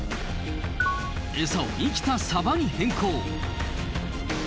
エサを生きたサバに変更。